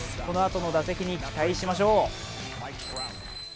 このあとの打席に期待しましょう。